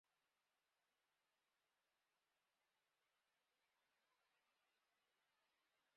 Además, aparecen numerosos personajes invitados, como Batman, Wally West, Dr.